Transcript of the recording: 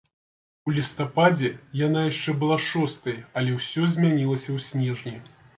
У лістападзе яна яшчэ была шостай, але ўсё змянілася ў снежні.